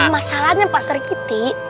masalahnya pak sergiti